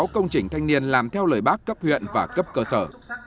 hai trăm năm mươi sáu công trình thanh niên làm theo lời bác cấp huyện và cấp cơ sở